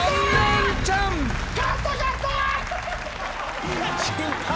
勝った勝った！